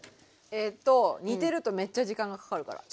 えっと煮てるとめっちゃ時間がかかるから。